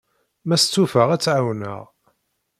Ma stufaɣ, ad tt-ɛawneɣ.